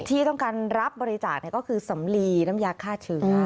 ที่ต้องการรับบริจาคก็คือสำลีน้ำยาฆ่าเชื้อ